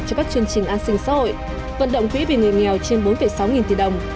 cho các chương trình an sinh xã hội vận động quỹ vì người nghèo trên bốn sáu nghìn tỷ đồng